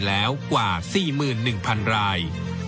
แล้วกว่า๔๑๐๐๐ราย